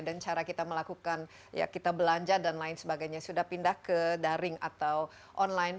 cara kita melakukan ya kita belanja dan lain sebagainya sudah pindah ke daring atau online